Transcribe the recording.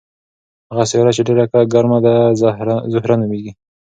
هغه سیاره چې ډېره ګرمه ده زهره نومیږي.